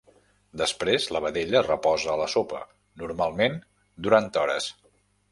Després la vedella reposa a la sopa, normalment durant hores.